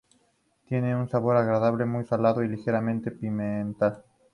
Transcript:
Tiene un sabor agradable, muy salado y ligeramente a pimienta.